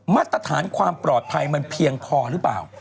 มาตรฐานความปลอดภัยมันเพียงพอหรือเปล่า